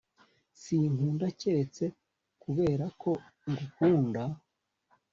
Sinkunda keretse kuberako ngukunda